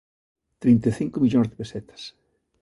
Trinta e cinco millóns de pesetas.